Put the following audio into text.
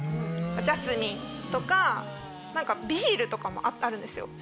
ジャスミンとかビールとかもあるんですよ。